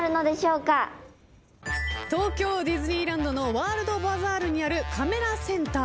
東京ディズニーランドのワールドバザールにあるカメラセンター。